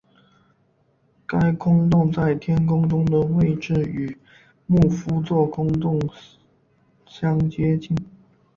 该空洞在天空中的位置与牧夫座空洞相接近。